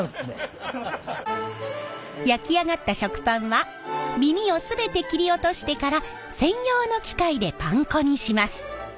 焼き上がった食パンは耳を全て切り落としてから専用の機械でパン粉にします。